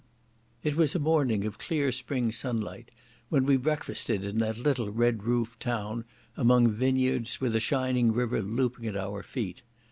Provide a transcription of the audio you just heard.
It was a morning of clear spring sunlight when we breakfasted in that little red roofed town among vineyards with a shining river looping at our feet.